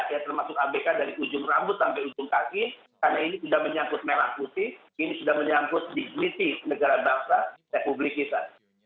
ya termasuk abk dari ujung rambut sampai ujung kaki karena ini sudah menyangkut merah putih ini sudah menyangkut dignity negara bangsa republik kita